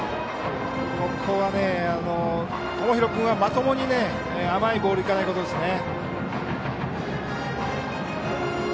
ここは友廣君はまともに甘いボールは行かないことですね。